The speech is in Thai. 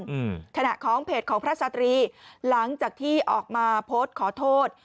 อืมขณะของเพจของพระสตรีหลังจากที่ออกมาโพสต์ขอโทษ